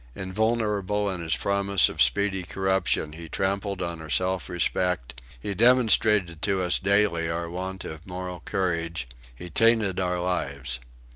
Invulnerable in his promise of speedy corruption he trampled on our self respect, he demonstrated to us daily our want of moral courage; he tainted our lives.